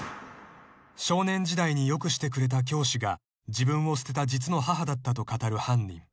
［少年時代に良くしてくれた教師が自分を捨てた実の母だったと語る犯人］